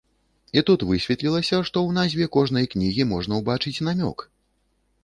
І тут высветлілася, што ў назве кожнай кнігі можна ўбачыць намёк.